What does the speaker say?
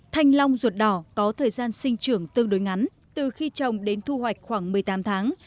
thanh long ruột đỏ có thời gian sinh trưởng tương đối ngắn từ khi trồng đến thu hoạch khoảng một mươi tám tháng